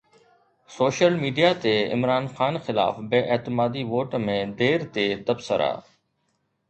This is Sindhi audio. سوشل ميڊيا تي عمران خان خلاف بي اعتمادي ووٽ ۾ دير تي تبصرا